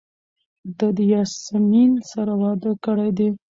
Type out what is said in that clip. ده د یاسمین سره واده کړی دی.